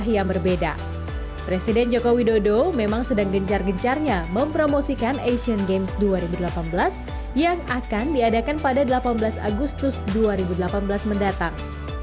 yang akan diadakan pada delapan belas agustus dua ribu delapan belas mendatang